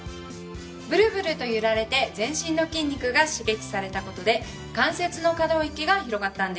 ブルブルと揺られて全身の筋肉が刺激された事で関節の可動域が広がったんです。